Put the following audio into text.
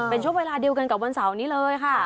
เป็นช่วงเวลาเดียวกันกับวันเสาร์นี้เลยค่ะ